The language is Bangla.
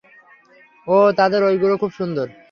ওহ, তাদের ঐগুলো খুব সুন্দর।